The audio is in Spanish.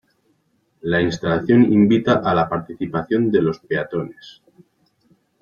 La instalación invita a la participación de los peatones.